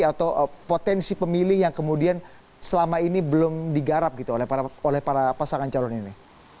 atau potensi pemilih yang kemudian selama ini belum digarap gitu oleh para pasangan calon ini